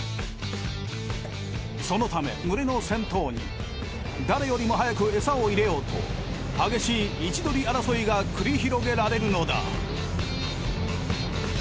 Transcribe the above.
そのため群れの先頭に誰よりも早くエサを入れようと激しい位置取り争いが繰り広げられるのだ。